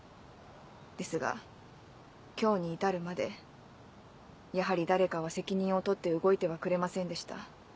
ですが今日に至るまでやはり誰かは責任を取って動いてはくれませんでした。